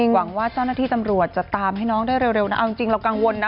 หวังว่าเจ้าหน้าที่ตำรวจจะตามให้น้องได้เร็วนะเอาจริงเรากังวลนะ